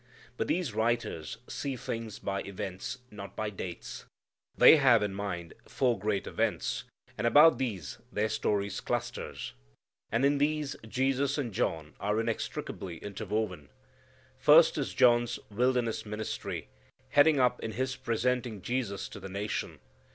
But these writers see things by events, not by dates. They have in mind four great events, and about these their story clusters. And in these Jesus and John are inextricably interwoven. First is John's wilderness ministry, heading up in his presenting Jesus to the nation.